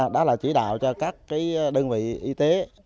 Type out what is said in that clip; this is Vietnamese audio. đó là chỉ đạo cho các đơn vị y tế